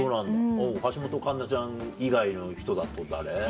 橋本環奈ちゃん以外の人だと誰？